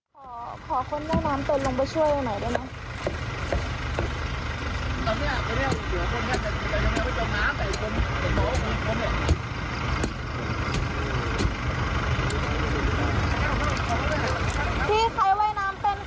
ขอขอคนว่าน้ำเป็นลงไปช่วยหน่อยด้วยนะ